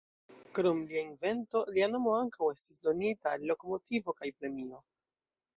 Krom lia invento, lia nomo ankaŭ estis donita al lokomotivo kaj premio.